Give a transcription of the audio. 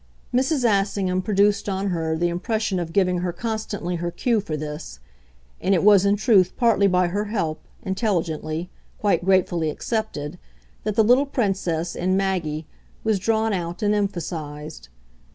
Mrs. Assingham produced on her the impression of giving her constantly her cue for this; and it was in truth partly by her help, intelligently, quite gratefully accepted, that the little Princess, in Maggie, was drawn out and emphasised.